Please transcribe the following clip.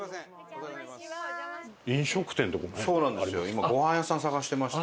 今ごはん屋さん探してまして。